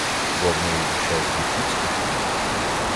Хіба в неї душа з лопуцька?